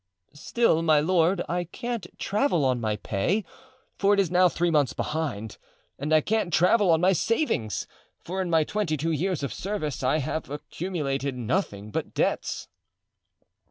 "Still, my lord, I can't travel on my pay, for it is now three months behind; and I can't travel on my savings, for in my twenty two years of service I have accumulated nothing but debts."